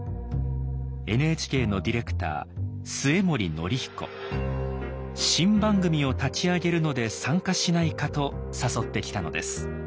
ＮＨＫの新番組を立ち上げるので参加しないかと誘ってきたのです。